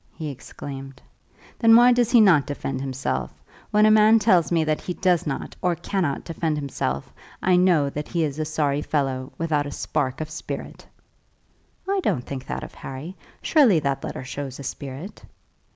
he exclaimed, "then why does he not defend himself? When a man tells me that he does not, or cannot defend himself, I know that he is a sorry fellow, without a spark of spirit." "I don't think that of Harry. Surely that letter shows a spirit."